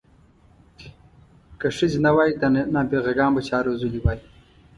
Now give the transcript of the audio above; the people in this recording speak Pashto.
که ښځې نه وای دا نابغه ګان به چا روزلي وی.